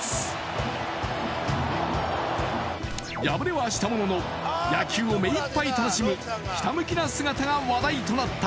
はしたものの野球を目いっぱい楽しむひたむきな姿が話題となった